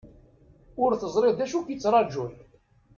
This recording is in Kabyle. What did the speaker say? Ur teẓriḍ d acu ik-d-ittrajun.